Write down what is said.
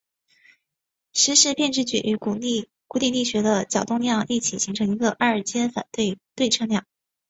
时变质量矩与古典力学的角动量一起形成一个二阶反对称张量。